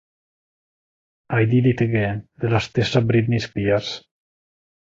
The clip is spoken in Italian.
I Did It Again" della stessa Britney Spears.